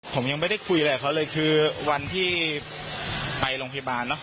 ผมยังไม่ได้คุยอะไรกับเขาเลยคือวันที่ไปโรงพยาบาลเนอะ